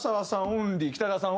オンリー北川さん